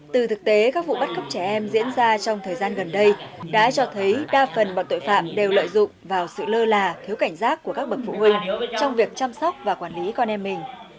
từ thực tế các vụ bắt cóc trẻ em diễn ra trong thời gian gần đây đã cho thấy đa phần bọn tội phạm đều lợi dụng vào sự lơ là thiếu cảnh giác của các bậc phụ huynh trong việc chăm sóc và quản lý con em mình